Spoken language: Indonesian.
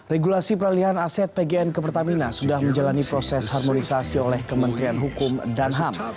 regulasi peralihan aset pgn ke pertamina sudah menjalani proses harmonisasi oleh kementerian hukum dan ham